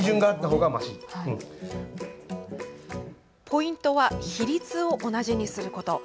ポイントは比率を同じにすること。